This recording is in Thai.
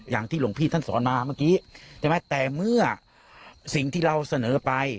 อย่างที่หลวงพี่ท่านสอนมาเมื่อกี้ใช่ไหมแต่เมื่อสิ่งที่เราเสนอไป